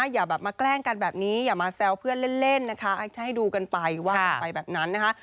อย่าแบบมาแกล้งกันแบบนี้อย่ามาแซวเพื่อนเล่นนะคะจะให้ดูกันไปว่ากันไปแบบนั้นนะคะ